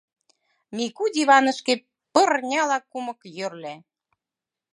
Мику диванышке пырняла кумык йӧрльӧ.